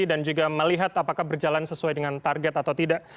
dan juga melihat apakah berjalan sesuai dengan target atau tidak